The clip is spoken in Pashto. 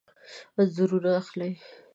انځورونه اخلئ؟